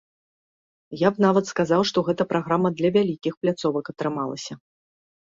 Я б нават сказаў, што гэта праграма для вялікіх пляцовак атрымалася.